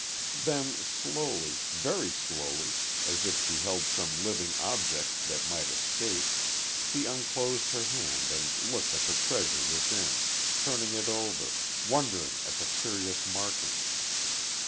Then slowly very slowly, as if she held some living object that might escape she unclosed her hand and looked at the treasure within, turning it over, wondering at the curious markings.